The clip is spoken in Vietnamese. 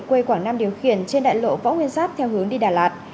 quê quảng nam điều khiển trên đại lộ võ nguyên giáp theo hướng đi đà lạt